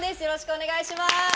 よろしくお願いします。